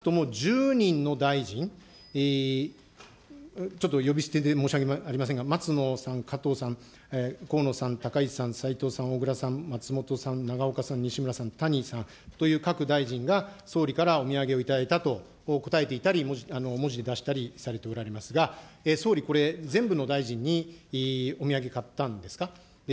少なくとも１０人の大臣、ちょっと呼び捨てで申し訳ありませんが、松野さん、加藤さん、河野さん、高市さん、さいとうさん、小倉さん、松本さん、永岡さん、西村さん、谷さんという各大臣が総理からお土産を頂いたと答えていたり、されておられますが、総理、これ、全部の大臣にお土産買ったんですか。